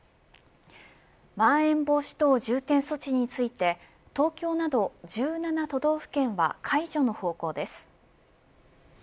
まん延防止等重点措置について東京など１７都道府県は解除の方向です。